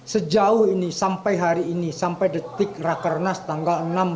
sejauh ini sampai hari ini sampai detik rakernas tanggal enam belas